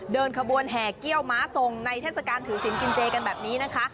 เดินขบวนแห่เกี้ยวม้าทรงในเทศกาลถือศิลปกินเจกันแบบนี้นะคะ